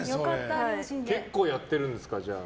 結構やってるんですか？